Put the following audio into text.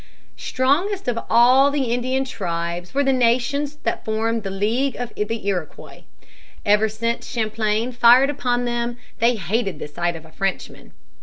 The strongest of all the Indian tribes were the nations who formed the League of the Iroquois. Ever since Champlain fired upon them they hated the sight of a Frenchman.